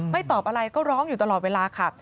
ตอบอะไรก็ร้องอยู่ตลอดเวลาค่ะ